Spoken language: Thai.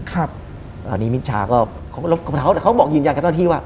แล้วนี้มิชชาก็แล้วเขาบอกยืนยันกับเจ้าหน้าที่ว่า